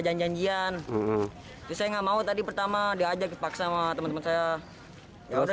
janji janjian saya nggak mau tadi pertama diajak paksa sama teman teman saya